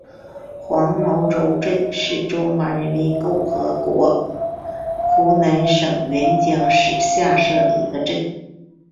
黄茅洲镇是中华人民共和国湖南省沅江市下辖的一个镇。